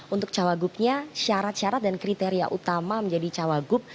untuk cawagupnya syarat syarat dan kriteria utama menjadi cawagup